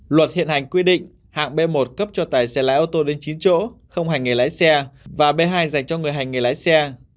luật hiện hành quy định hạng b một cấp cho tài xế lái ô tô đến chín chỗ không hành nghề lái xe và b hai dành cho người hành nghề lái xe